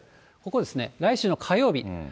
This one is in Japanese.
ここですね、来週の火曜日。